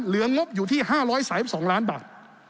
งบอยู่ที่๕๓๒ล้านบาท